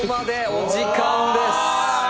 お時間です。